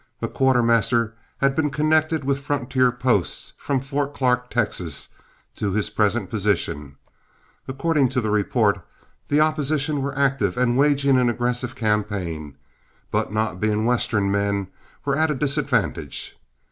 The quartermaster had been connected with frontier posts from Fort Clark, Texas, to his present position. According to report, the opposition were active and waging an aggressive campaign, but not being Western men, were at a disadvantage.